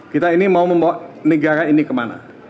kita ini mau membawa negara ini kemana